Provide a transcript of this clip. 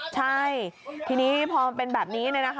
ใช่ทีนี้พอมันเป็นแบบนี้